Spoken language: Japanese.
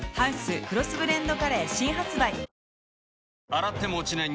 洗っても落ちない